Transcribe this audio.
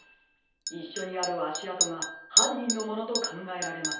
いっしょにあるあしあとがはんにんのものとかんがえられます。